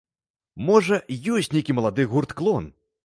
Можа, ёсць нейкі малады гурт-клон?